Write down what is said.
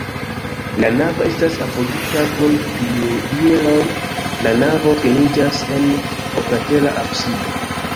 La navo estas apogita kun pilieroj, la navo finiĝas en oklatera absido.